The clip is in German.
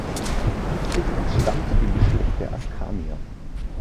Dietrich entstammt dem Geschlecht der Askanier.